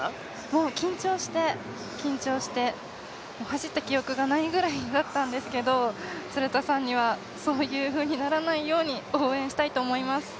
もう緊張して緊張して走った記憶がないぐらいだったんですけど鶴田さんにはそういうふうにならないように応援したいと思います。